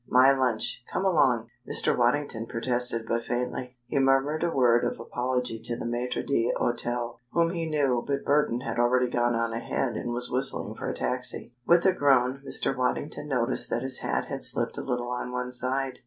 My lunch. Come along." Mr. Waddington protested but faintly. He murmured a word of apology to the maitre d'hôtel, whom he knew, but Burton had already gone on ahead and was whistling for a taxi. With a groan, Mr. Waddington noticed that his hat had slipped a little on one side.